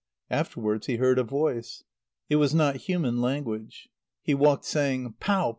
Afterwards he heard a voice. It was not human language. He walked saying "Pau!